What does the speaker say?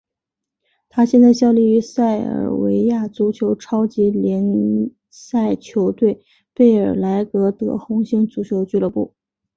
他现在效力于塞尔维亚足球超级联赛球队贝尔格莱德红星足球俱乐部。